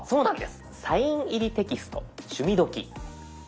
「サイン入りテキスト趣味どきっ！」。